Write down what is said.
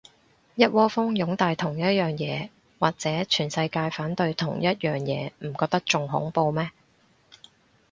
一窩蜂擁戴同一樣嘢，或者全世界反對同一樣嘢，唔覺得仲恐怖咩